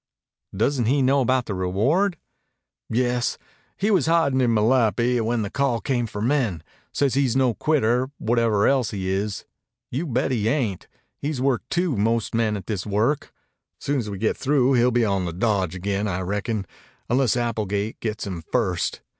"Doesn't he know about the reward?" "Yes. He was hidin' in Malapi when the call came for men. Says he's no quitter, whatever else he is. You bet he ain't. He's worth two of most men at this work. Soon as we get through he'll be on the dodge again, I reckon, unless Applegate gets him first.